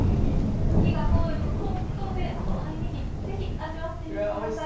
火が通るととろとろで甘いねぎぜひ味わってみてください。